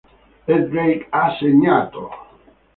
E Drake ha segnato!